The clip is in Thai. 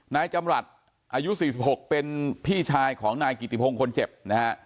นายจำรัฐอายุ๔๖เป็นพี่ชายของนายกิติพงศ์คนเจ็บนะฮะ